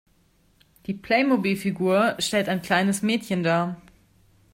Die Playmobilfigur stellt ein kleines Mädchen dar.